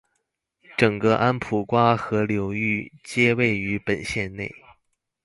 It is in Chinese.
整个安普瓜河流域皆位于本县内。